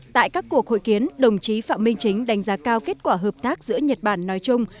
tại các cuộc hội kiến đồng chí phạm minh chính đánh giá cao kết quả hợp tác giữa nhật bản nói chung